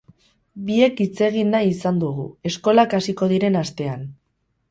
Biek hitzegin nahi izan dugu, eskolak hasiko diren astean.